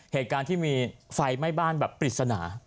เหตุการณ์ที่มีไฟไหม้บ้านแบบปริศนา